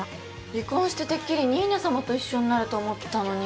離婚して、てっきり新名様と一緒になると思ってたのに。